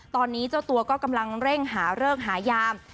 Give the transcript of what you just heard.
ตอนนี้เจ้าตัวก็กำลังเร่งหาเลิกหายาม